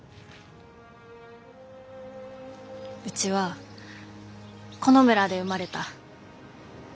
うちはこの村で生まれた。